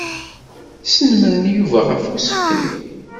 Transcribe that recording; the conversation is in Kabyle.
Snemmren Yuba ɣef usefk-nni.